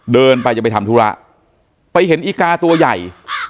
เดินไปจะไปทำธุระไปเห็นอีกาตัวใหญ่